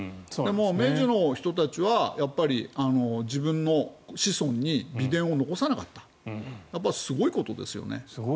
明治の人たちは自分の子孫に美田を残さなかったすごいことですよね。